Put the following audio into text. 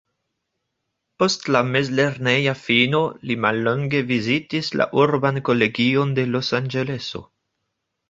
Post la mezlerneja fino li mallonge vizitis la urban kolegion de Los-Anĝeleso.